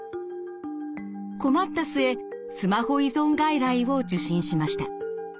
困った末スマホ依存外来を受診しました。